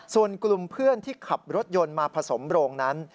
ส่วนกลุ่มเพื่อนที่ขับรถยนต์มาผสมโรงนั้น